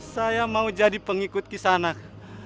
saya mau jadi pengikut kisanak